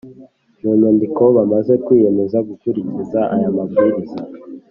mu nyandiko bamaze kwiyemeza gukurikiza aya mabwiriza